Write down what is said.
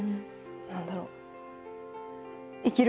何だろう